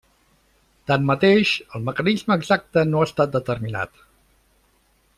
Tanmateix, el mecanisme exacte no ha estat determinat.